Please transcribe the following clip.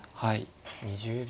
２０秒。